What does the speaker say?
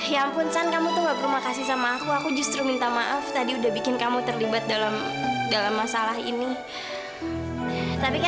ikut aja kalau berani